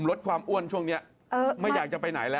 ลดความอ้วนช่วงนี้ไม่อยากจะไปไหนแล้ว